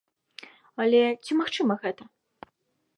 Але ці магчыма гэта?